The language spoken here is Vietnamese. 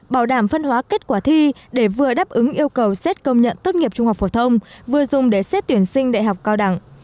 bảo đảm phân hóa kết quả thi để vừa đáp ứng yêu cầu xét công nhận tốt nghiệp trung học phổ thông vừa dùng để xét tuyển sinh đại học cao đẳng